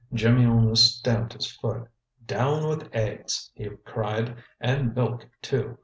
Jimmy almost stamped his foot. "Down with eggs!" he cried. "And milk, too.